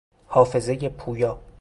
حافظهی پویا